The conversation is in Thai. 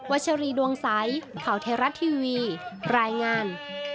วัชรีดวงไซด์ข่าวเทราะต์ทีวีรายงาน